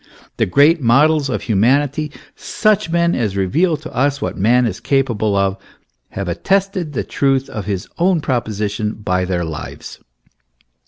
The great models of humanity, such men as reveal to us what man is capable of, have attested the truth of this proposition by their lives.